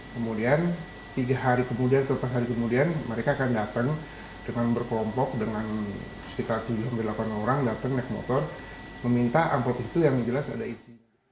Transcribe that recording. kemudian tiga hari kemudian atau empat hari kemudian mereka akan datang dengan berkelompok dengan sekitar tujuh delapan orang datang naik motor meminta amplop ke situ yang jelas ada isinya